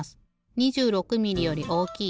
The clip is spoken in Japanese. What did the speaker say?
２６ミリより大きい？